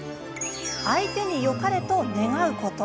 「相手によかれと願うこと」。